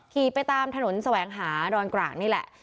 ขี่ไปตามถนนแสวงหาดอนกลางนี่แหละ